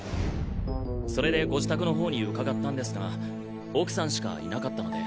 それでご自宅のほうに伺ったんですが奥さんしかいなかったので。